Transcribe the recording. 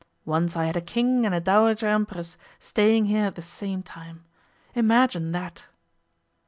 Once I had a King and a Dowager Empress staying here at the same time. Imagine that!